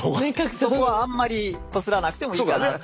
そこはあんまりこすらなくてもいいかなって。